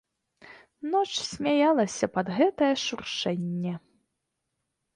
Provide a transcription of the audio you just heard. Ноч смяялася пад гэтае шуршэнне.